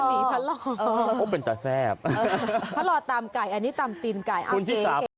พะลอพะลอเป็นตาแซ่บพะลอตำไก่อันนี้ตำตินไก่คุณที่สาม